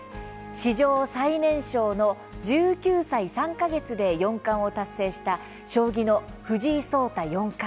史上最年少の１９歳３か月で四冠を達成した将棋の藤井聡太四冠。